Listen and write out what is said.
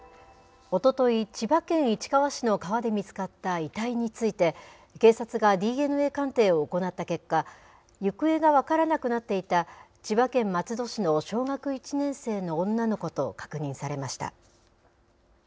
おととい、千葉県市川市の川で見つかった遺体について、警察がＤＮＡ鑑定を行った結果、行方が分からなくなっていた千葉県松戸市の小学１年生の女の子と確認されました。